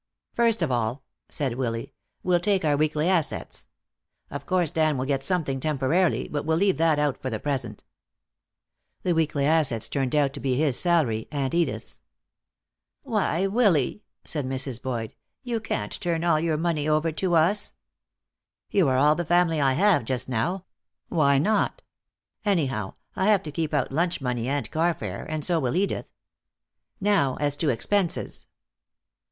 "First of all," said Willy, "we'll take our weekly assets. Of course Dan will get something temporarily, but we'll leave that out for the present." The weekly assets turned out to be his salary and Edith's. "Why, Willy," said Mrs. Boyd, "you can't turn all your money over to us." "You are all the family I have just now. Why not? Anyhow, I'll have to keep out lunch money and carfare, and so will Edith. Now as to expenses."